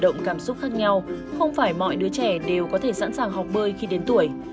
động cảm xúc khác nhau không phải mọi đứa trẻ đều có thể sẵn sàng học bơi khi đến tuổi